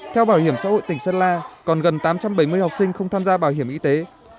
theo bảo hiểm xã hội tỉnh sơn la còn gần tám trăm bảy mươi học sinh không tham gia bảo hiểm y tế